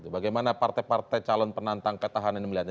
bagaimana partai partai calon penantang ketahana ini melihatnya